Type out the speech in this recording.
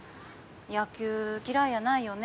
野球嫌いやないよね